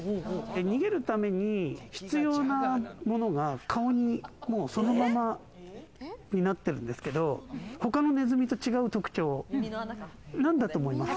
逃げるために必要なものが顔にもうそのままになっているんですけど、他のネズミと違う特徴は何だと思います？